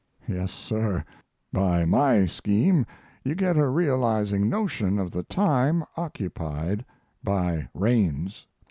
Yes, sir; by my scheme you get a realizing notion of the time occupied by reigns.